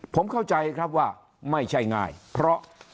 ผมเข้าใจครับว่าไม่ใช่ง่ายเพราะ